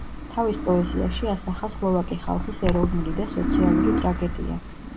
თავის პოეზიაში ასახა სლოვაკი ხალხის ეროვნული და სოციალური ტრაგედია.